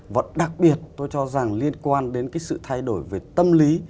và đặc biệt tôi cho rằng liên quan đến cái sự thay đổi về tâm lý